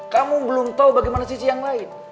kamu belum tahu bagaimana sisi yang lain